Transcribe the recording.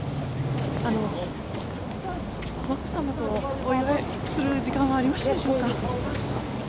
眞子さまとお祝いする時間はありましたでしょうか？